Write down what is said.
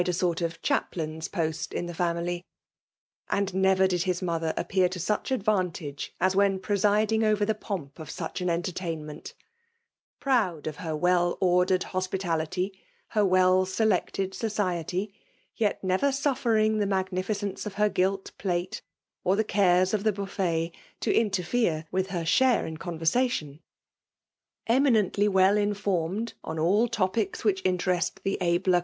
a sort of chaplain^s post in llic family, and*' never did his mother i^pear to such advan* tage as when presiding over the pomp of svekf ah entertainment ; proud of her well ordaredl ' hospitality, her well selected society, yet nerer ' suffering the magnificence of her gilt plate or > the cares of the buffet to interfere with her sh&rc in conversation. Eminently well in* ^ formed on aH' topics which interest the abler.'